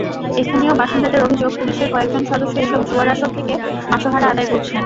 স্থানীয় বাসিন্দাদের অভিযোগ, পুলিশের কয়েকজন সদস্য এসব জুয়ার আসর থেকে মাসোহারা আদায় করছেন।